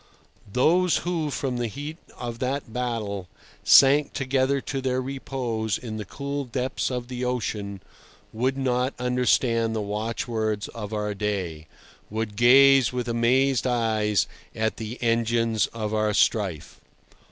Those who from the heat of that battle sank together to their repose in the cool depths of the ocean would not understand the watchwords of our day, would gaze with amazed eyes at the engines of our strife.